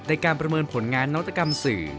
การประเมินผลงานนวัตกรรมสื่อ